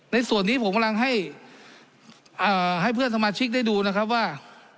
ในส่วนนี้ผมกำลังให้เพื่อนสมาชิกได้ดูนะครับว่า